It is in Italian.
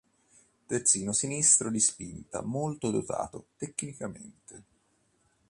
Terzino sinistro di spinta, molto dotato tecnicamente.